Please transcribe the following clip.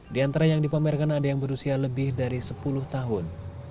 di antara yang dipamerkan ada yang berusia lebih dari sepuluh tahun